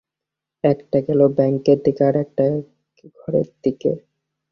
একটা গেল ব্যাঙ্কের দিকে, আর-একটা ঘরের দিকে।